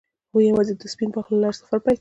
هغوی یوځای د سپین باغ له لارې سفر پیل کړ.